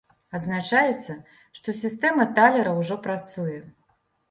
Адзначаецца, што сістэма талера ўжо працуе.